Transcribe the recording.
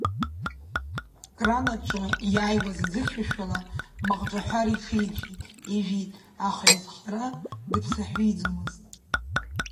Акран аҿы иааиуаз аӡы хьшәашәала маҟҿаҳәара иҽиӡәӡәеит, ижәит, аха изхара дыԥсаҳәиӡомызт.